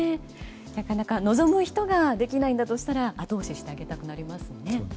なかなか望む人ができないんだとしたら後押ししてあげたくなりますね。